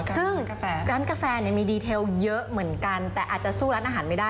ซึ่งร้านกาแฟมีดีเทลเยอะเหมือนกันแต่อาจจะสู้ร้านอาหารไม่ได้